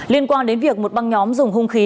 liên quan đến việc một băng nhóm dùng hung khí